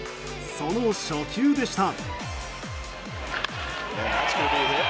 その初球でした。